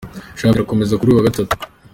Shampiyona irakomeza kuri uyu wa Gatatu.